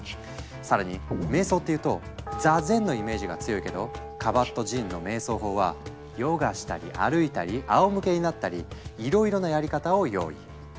更に瞑想っていうと「座禅」のイメージが強いけどカバットジンの瞑想法はヨガしたり歩いたりあおむけになったりいろいろなやり方を用意。